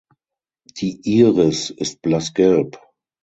Die Iris ist blassgelb.